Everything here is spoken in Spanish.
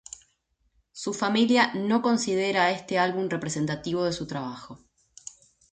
Su familia no considera a este álbum representativo de su trabajo.